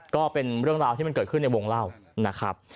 ก็เป็นเรื่องราวที่มันเกิดขึ้นในวงเล่านะครับ